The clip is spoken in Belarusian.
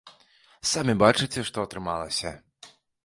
Самі бачыце, што атрымалася.